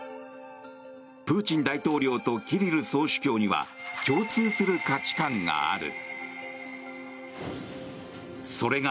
プーチン大統領とキリル総主教には共通する価値観がある。